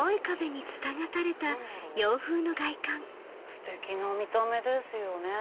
ステキな見た目ですよね。